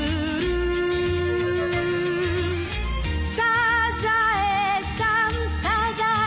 「サザエさんサザエさん」